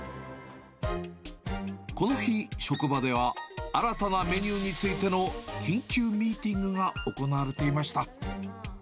この日、職場では新たなメニューについての緊急ミーティングが行われていました。